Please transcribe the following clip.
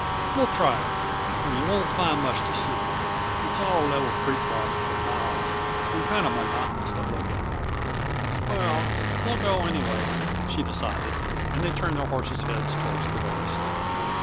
We'll try it, but yuh won't find much to see; it's all level creek bottom for miles and kinda monotonous to look at." "Well, we'll go, anyway," she decided, and they turned their horses' heads toward the west.